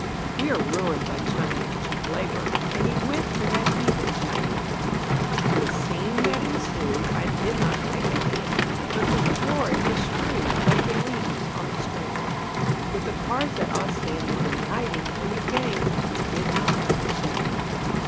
We are ruined by Chinese cheap labor;" And he went for that heathen Chinee. In the scene that ensued I did not take a hand, But the floor it was strewed Like the leaves on the strand With the cards that Ah Sin had been hiding In the game "he did not understand."